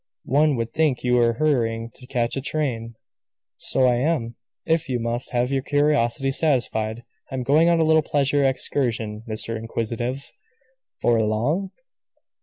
"One would think you were hurrying to catch a train." "So I am if you must have your curiosity satisfied. I am going on a little pleasure excursion, Mr. Inquisitive." "For long?"